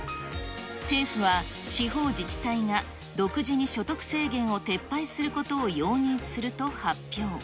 政府は地方自治体が独自に所得制限を撤廃することを容認すると発表。